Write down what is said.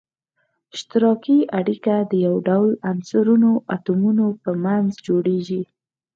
اشتراکي اړیکه د یو ډول عنصرونو اتومونو په منځ کې جوړیږی.